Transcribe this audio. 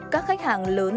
các khách hàng lớn